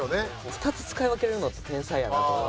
２つ使い分けるのって天才やなと思いますね。